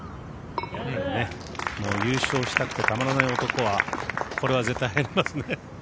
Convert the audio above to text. もう優勝したくてたまらない男はこれは絶対入りますね。